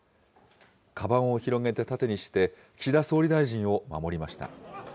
かばんを広げて盾にして、岸田総理大臣を守りました。